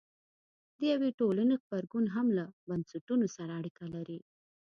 د یوې ټولنې غبرګون هم له بنسټونو سره اړیکه لري.